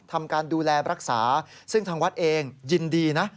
ทำการดูแลรักษาซึ่งทางวัดเองยินดีนะ